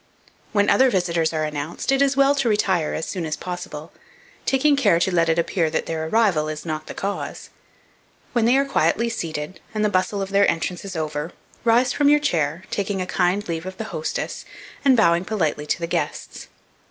When other visitors are announced, it is well to retire as soon as possible, taking care to let it appear that their arrival is not the cause. When they are quietly seated, and the bustle of their entrance is over, rise from your chair, taking a kind leave of the hostess, and bowing politely to the guests.